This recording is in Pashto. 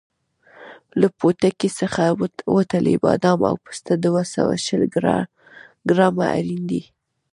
له پوټکي څخه وتلي بادام او پسته دوه سوه شل ګرامه اړین دي.